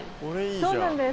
そうなんです